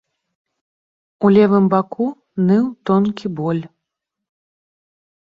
У левым баку ныў тонкі боль.